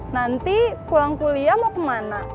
nanti pulang kuliah mau kemana